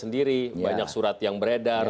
sendiri banyak surat yang beredar